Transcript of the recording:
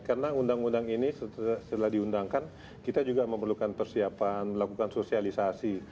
karena undang undang ini setelah diundangkan kita juga memerlukan persiapan melakukan sosialisasi